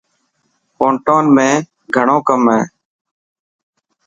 پونٽون ۾ گهڻو ڪم هي.